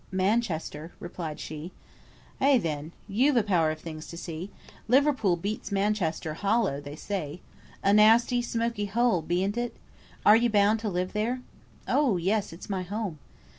"Manchester," replied she. "Eh, then! you've a power of things to see. Liverpool beats Manchester hollow, they say. A nasty, smoky hole, bean't it? Are you bound to live there?" "Oh, yes! it's my home."